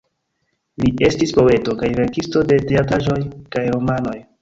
Li estis poeto, kaj verkisto de teatraĵoj kaj romanoj.